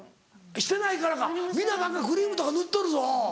してないからか皆何かクリームとか塗っとるぞ。